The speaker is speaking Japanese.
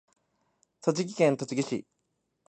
栃木県栃木市